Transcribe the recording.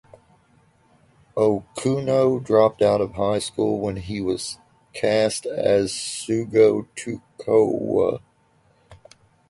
Okuno dropped out of high school when he was cast as Sougo Tokiwa.